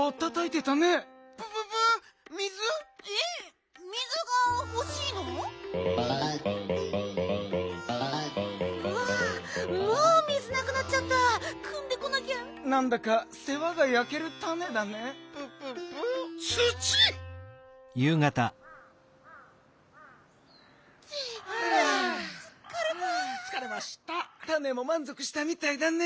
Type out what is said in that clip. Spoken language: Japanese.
たねもまんぞくしたみたいだね。